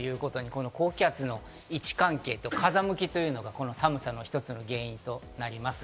この高気圧の位置関係と風向きというのが、この寒さの１つの原因となります。